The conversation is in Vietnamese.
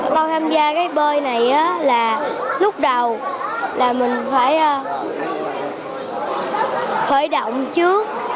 con tham gia cái bơi này là lúc đầu là mình phải khởi động trước